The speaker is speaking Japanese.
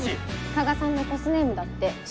⁉加賀さんのコスネームだって知ってる？